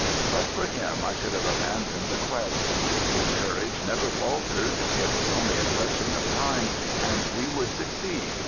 But for him I should have abandoned the quest. His courage never faltered, it was only a question of time and we would succeed.